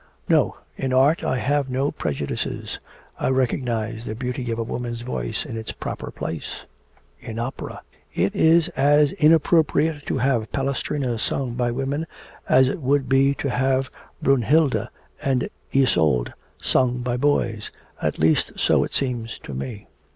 'No; in art I have no prejudices; I recognise the beauty of a woman's voice in its proper place in opera. It is as inappropriate to have Palestrina sung by women as it would be to have Brunnhilde and Isolde sung by boys at least so it seems to me.